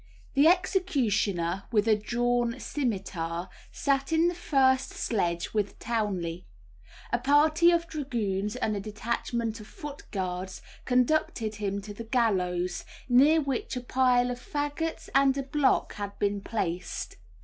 The executioner, with a drawn scimitar, sat in the first sledge with Townley; a party of dragoons and a detachment of foot guards conducted him to the gallows, near which a pile of faggots and a block had been placed.